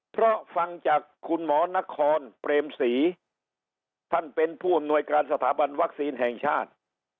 เพราะฟังจากคุณหมอนครเปรมศรีท่านเป็นผู้อำนวยการสถาบันวัคซีนแห่งชาติ